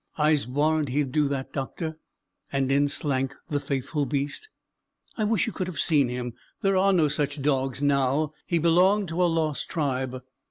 "I'se warrant he's do that, doctor;" and in slank the faithful beast. I wish you could have seen him. There are no such dogs now. He belonged to a lost tribe.